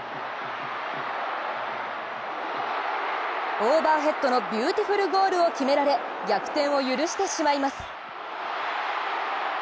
オーバーヘッドのビューティフルゴールを決められ、逆転を許してしまいます。